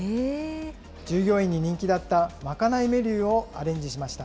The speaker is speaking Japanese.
従業員に人気だった賄いメニューをアレンジしました。